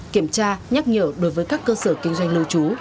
kiểm tra nhắc nhở đối với các cơ sở kinh doanh lưu trú